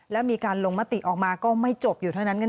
แล้วมีการลงมติออกมาก็ไม่จบอยู่เท่านั้น